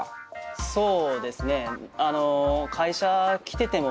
そうですね。